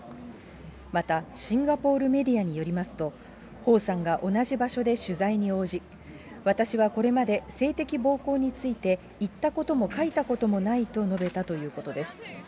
また、シンガポールメディアによりますと、彭さんが同じ場所で取材に応じ、私はこれまで、性的暴行について言ったことも書いたこともないと述べたということです。